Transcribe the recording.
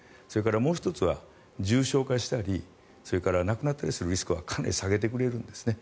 もう１つは重症化したりそれから亡くなったりするリスクはかなり下げてくれるんですね。